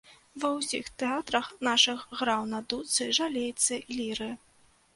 Ва ўсіх тэатрах нашых граў на дудцы, жалейцы, ліры.